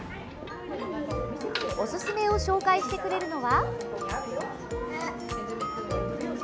おすすめを紹介してくれるのは。